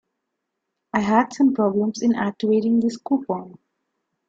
I had some problems in activating this coupon.